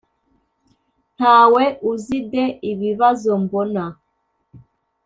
"ntawe uzi de ibibazo mbona"?